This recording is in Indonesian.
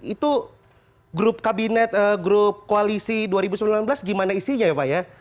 itu grup kabinet grup koalisi dua ribu sembilan belas gimana isinya ya pak ya